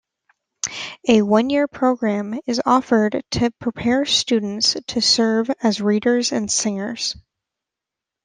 A one-year program is offered to prepare students to serve as readers and singers.